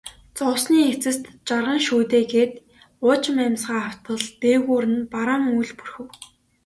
Зовсны эцэст жаргана шүү дээ гээд уужим амьсгаа автал дээгүүр нь бараан үүл бүрхэв.